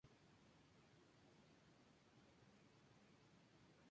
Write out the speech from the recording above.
La cantante aseguró que los rumores eran "estúpidos".